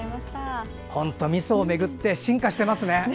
本当、みそを巡って進化していますね。